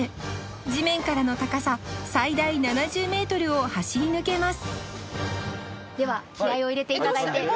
地面からの高さ最大７０メートルを走り抜けます